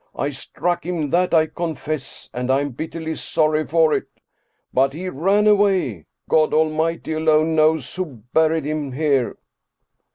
I struck him, that I confess, and I am bitterly sorry for it. But he ran away. God Almighty alone knows who buried him here."